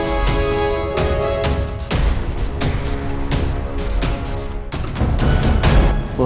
masih ada yang nungguin